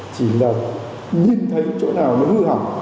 chỉ là nhìn thấy chỗ nào nó hư hỏng